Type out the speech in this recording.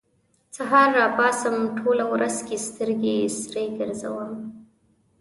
سهار راپاڅم، ټوله ورځ کې سترګې سرې ګرځوم